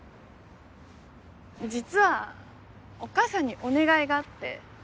実はお母さんにお願いがあって。